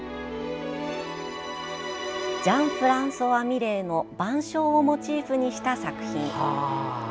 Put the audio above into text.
ジャン＝フランソワ・ミレーの「晩鐘」をモチーフにした作品。